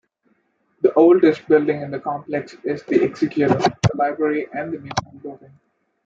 The oldest building in the complex is the Executive, Library and Museum Building.